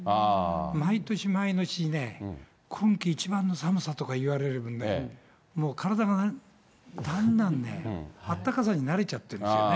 毎年毎年ね、今季一番の寒さとか言われるとね、もう体がだんだんね、あったかさに慣れちゃってるんですよね。